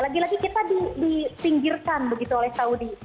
lagi lagi kita disinggirkan begitu oleh saudi